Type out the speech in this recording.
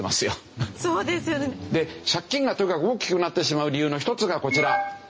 借金がとにかく大きくなってしまう理由の一つがこちら。